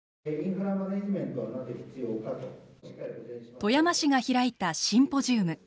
富山市が開いたシンポジウム。